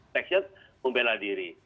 taksil membela diri